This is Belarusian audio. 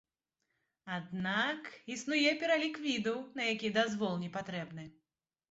Аднак існуе пералік відаў, на якія дазвол не патрэбны.